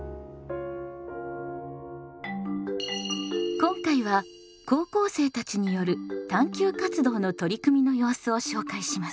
今回は高校生たちによる探究活動の取り組みの様子を紹介します。